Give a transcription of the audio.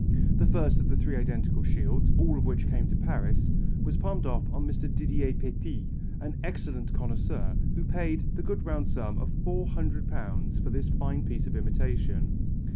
The first of the three identical shields, all of which came to Paris, was palmed off on Mr. Didier Petit, an excellent connoisseur, who paid the good round sum of £400 for this fine piece of imitation.